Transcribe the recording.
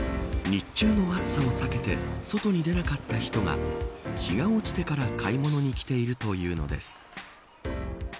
日中の暑さを避けて外に出なかった人が日が落ちてから買い物に来ているというのです。